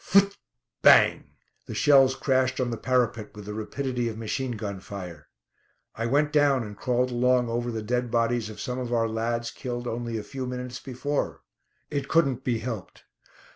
Phut bang! The shells crashed on the parapet with the rapidity of machine gun fire. I went down, and crawled along over the dead bodies of some of our lads killed only a few minutes before. It couldn't be helped.